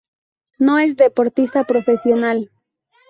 No es deportista profesional.